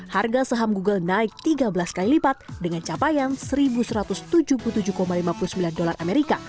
harga saham google naik tiga belas kali lipat dengan capaian rp satu satu ratus tujuh puluh tujuh lima puluh sembilan dolar amerika